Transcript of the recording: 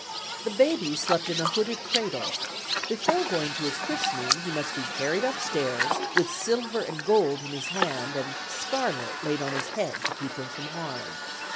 The baby slept in a hooded cradle; before going to his christening, he must be carried upstairs, with silver and gold in his hand, and "scarlet laid on his head to keep him from harm."